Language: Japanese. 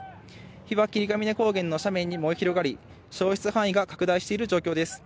火は霧ヶ峰高原の斜面に燃え広がり、焼失範囲が拡大している状況です。